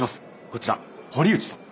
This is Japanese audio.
こちら堀内さん。